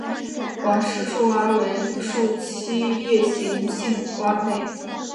王氏树蛙为树栖夜行性蛙类。